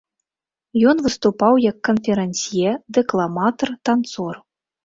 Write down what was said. Ён выступаў як канферансье, дэкламатар, танцор.